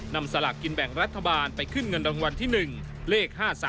สลากกินแบ่งรัฐบาลไปขึ้นเงินรางวัลที่๑เลข๕๓